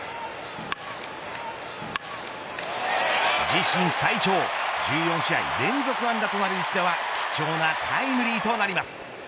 自身最長１４試合連続安打となる一打は貴重なタイムリーとなります。